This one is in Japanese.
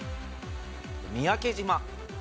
三宅島。